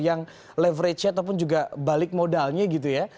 yang leverage nya ataupun juga balik modalnya gitu ya